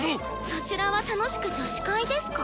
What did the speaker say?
そちらは楽しく「女子会」ですか？